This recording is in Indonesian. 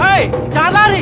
hey jangan lari